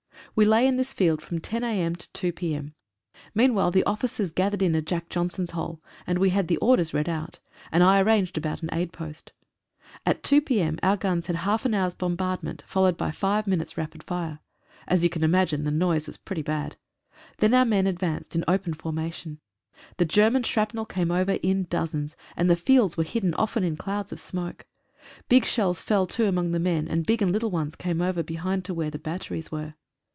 We lay in this field from 10 a.m. to 2 p.m. Meanwhile the officers gathered in a "Jack Johnson's" hole, and we had the orders read out, and I arranged about an aid post. At 2 p.m. our guns had half an hour's bombardment, followed by five minutes' rapid fire. As you can imagine the noise was pretty bad. Then our men advanced in open formation. The Ger man shrapnel came over in dozens, and the fields were hidden often in clouds of smoke. Big shells fell too among the men, and big and little ones came over be hind to where the batteries were.